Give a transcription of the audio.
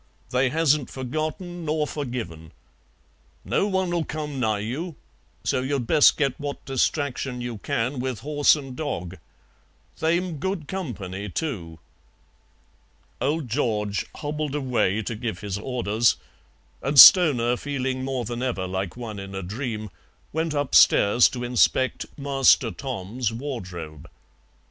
They hasn't forgotten nor forgiven. No one'll come nigh you, so you'd best get what distraction you can with horse and dog. They'm good company, too." Old George hobbled away to give his orders, and Stoner, feeling more than ever like one in a dream, went upstairs to inspect "Master Tom's" wardrobe.